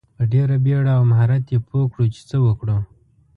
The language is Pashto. په ډیره بیړه او مهارت یې پوه کړو چې څه وکړو.